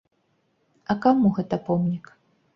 А каму гэта помнік?